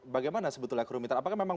bagaimana sebetulnya kerumitan apakah memang